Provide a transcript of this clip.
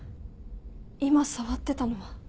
今触ってたのは？